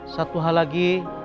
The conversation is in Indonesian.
satu hal lagi